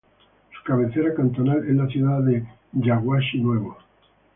Su cabecera cantonal es la ciudad de Yaguachi Nuevo.